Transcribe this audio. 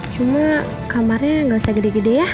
cuma kamarnya gak usah gede dua ya